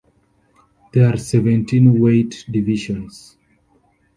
There are seventeen weight divisions.